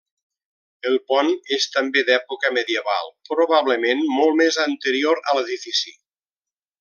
El pont és també d’època medieval probablement molt més anterior a l’edifici.